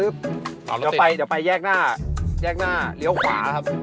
เดี๋ยวไปแยกหน้าแยกหน้าเลี้ยวขวาครับ